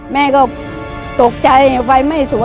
แม่ก็ตกใจไฟไม่สวย